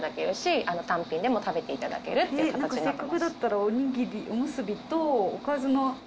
なんかせっかくだったらおにぎりおむすびとおかずの。